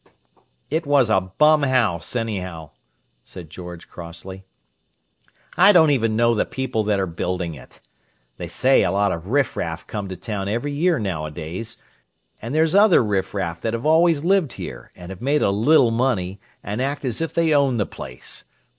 "It was a bum house, anyhow," said George crossly. "I don't even know the people that are building it. They say a lot of riffraff come to town every year nowadays and there's other riffraff that have always lived here, and have made a little money, and act as if they owned the place.